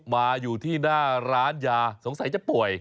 มาอยู่ที่หน้าร้านยาสงสัยจะป่วย